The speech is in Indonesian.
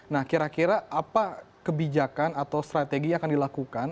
nah kira kira apa kebijakan atau strategi yang akan dilakukan